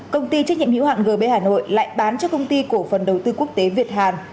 công ty trách nhiệm hữu hạn gb hà nội lại bán cho công ty cổ phần đầu tư quốc tế việt hàn